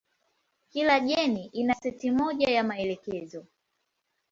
Kila jeni ina seti moja ya maelekezo.